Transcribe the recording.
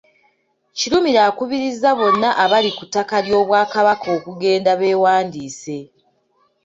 Kirumira akubirizza bonna abali ku ttaka ly’Obwakabaka okugenda bewandiise.